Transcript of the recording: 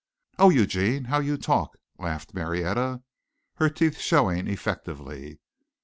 "Oh, Eugene, how you talk," laughed Marietta, her teeth showing effectively.